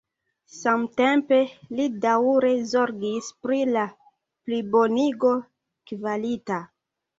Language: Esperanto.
Samtempe li daŭre zorgis pri la plibonigo kvalita.